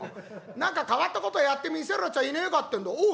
何か変わったことやって見せるやつはいねえかってんだ」。